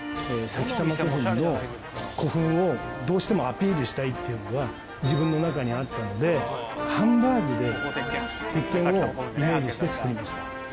埼玉古墳の古墳をどうしてもアピールしたいっていうのは自分の中にあったのでハンバーグで鉄剣をイメージして作りました。